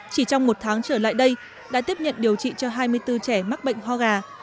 chỉ trong một tháng trở lại đây đã tiếp nhận điều trị cho hai mươi bốn trẻ mắc bệnh ho gà